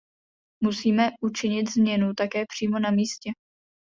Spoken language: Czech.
Musíme učinit změnu také přímo na místě.